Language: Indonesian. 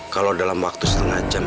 kalau dalam waktu setengah jam